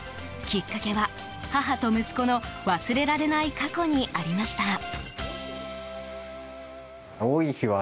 きっかけは母と息子の忘れられない過去にありました。